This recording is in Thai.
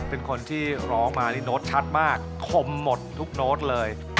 เป็นคนที่ร้องมานี่โน้ตชัดมากคมหมดทุกโน้ตเลย